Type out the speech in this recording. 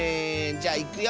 じゃいくよ。